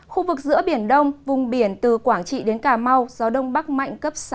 khu vực giữa biển đông vùng biển từ quảng trị đến cà mau gió đông bắc mạnh cấp sáu